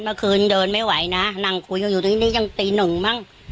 เมื่อคืนเดินไม่ไหวนะนั่งคุยกันอยู่ตรงนี้ยังตีหนึ่งมั้ง